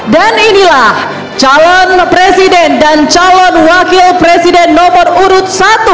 dan inilah calon presiden dan calon wakil presiden nomor urut satu